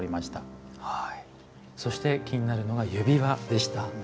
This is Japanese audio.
そして気になるのが指輪でした。